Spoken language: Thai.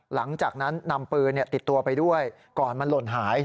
หลังจากนั้นนำปืนติดตัวไปด้วยก่อนมันหล่นหาย